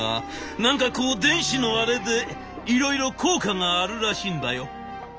何かこう電子のあれでいろいろ効果があるらしいんだよ」。